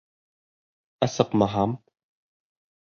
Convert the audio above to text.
Ә сыҡмаһам...